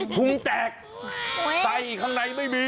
พุงแตกใส่ข้างในไม่มี